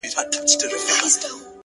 زړه ته د ښايست لمبه پوره راغلې نه ده.